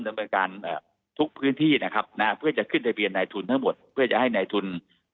ดำเนินการทุกพื้นที่นะครับนะฮะเพื่อจะขึ้นทะเบียนในทุนทั้งหมดเพื่อจะให้นายทุน